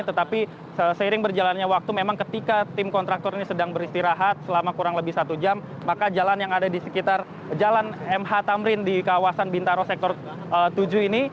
tetapi seiring berjalannya waktu memang ketika tim kontraktor ini sedang beristirahat selama kurang lebih satu jam maka jalan yang ada di sekitar jalan mh tamrin di kawasan bintaro sektor tujuh ini